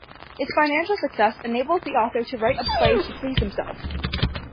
Its financial success enabled the author to write a play "to please himself".